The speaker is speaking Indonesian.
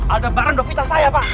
ada baran dovita saya pak